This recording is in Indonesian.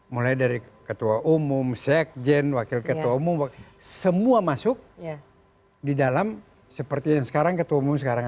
mulai dari ketua umum sekjen wakil ketua umum semua masuk di dalam seperti yang sekarang ketua umum sekarang